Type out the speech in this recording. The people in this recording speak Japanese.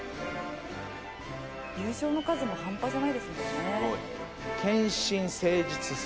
「優勝の数もハンパじゃないですもんね」